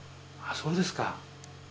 そうですか。